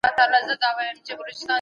شعار خو نه لرم